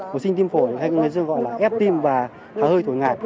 hồi sinh tim phổi hay người dân gọi là ép tim và hơi thổi ngạc